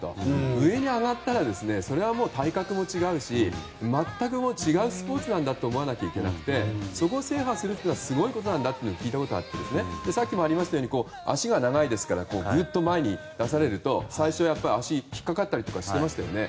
上に上がったらそれはもう体格も違うし全く違うスポーツなんだと思わないといけなくてそこを制覇するのはすごいことなんだと聞いたことがあってさっきもありましたように足が長いですからぐっと前に出されると最初、足が引っかかったりしていましたよね。